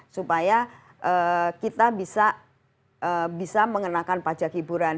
supaya kita bisa mengenakan pajak hiburan